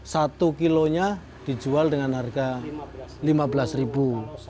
satu kilonya dijual dengan harga rp lima belas ribu